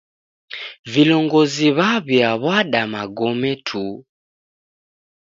Vilongozi w'aw'iada magome tu.